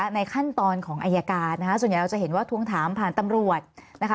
ในขั้นตอนของอายการนะคะส่วนใหญ่เราจะเห็นว่าทวงถามผ่านตำรวจนะคะ